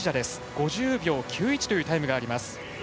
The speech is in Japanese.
５０秒９１のタイムがあります。